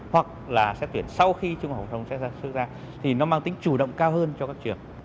hoặc là xét tuyển sau khi trung học phổ thông xét diễn ra thì nó mang tính chủ động cao hơn cho các trường